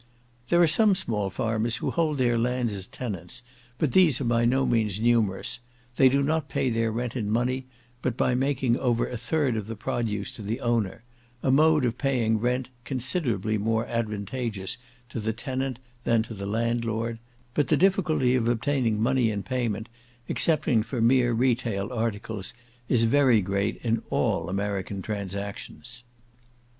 There are some small farmers who hold their lands as tenants, but these are by no means numerous: they do not pay their rent in money, but by making over a third of the produce to the owner; a mode of paying rent, considerably more advantageous to the tenant than the landlord; but the difficulty of obtaining money in payment, excepting for mere retail articles, is very great in all American transactions.